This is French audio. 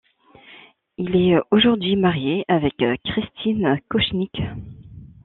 Il est aujourd'hui marié avec Christine Koschnick.